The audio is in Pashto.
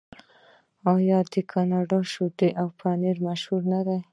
آیا د کاناډا شیدې او پنیر مشهور نه دي؟